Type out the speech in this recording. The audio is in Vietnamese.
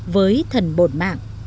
với thần bồn mạng